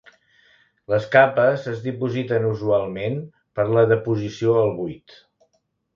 Les capes es dipositen usualment per la deposició al buit.